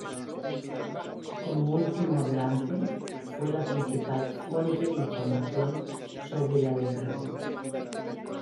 Como último hablante, fue la principal fuente de información sobre la lengua.